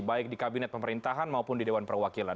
baik di kabinet pemerintahan maupun di dewan perwakilan